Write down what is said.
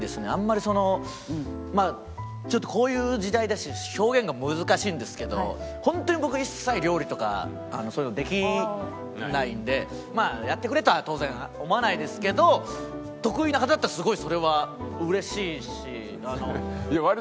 まあちょっとこういう時代だし表現が難しいんですけど本当に僕まあやってくれとは当然思わないですけど得意な方だったらすごいそれはうれしいし。